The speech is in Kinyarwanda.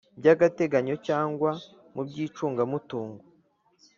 By agateganyo cyangwa mu icungamutungo